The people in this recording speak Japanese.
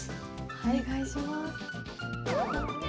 お願いします。